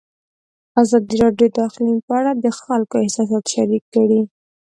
ازادي راډیو د اقلیم په اړه د خلکو احساسات شریک کړي.